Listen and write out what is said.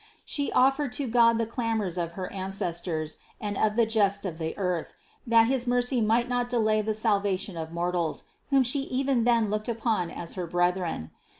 She offered to God the clamors of her ancestors and of the just of the earth, that his mercy might not delay the salvation of mortals, whom she even then looked upon as her brethren.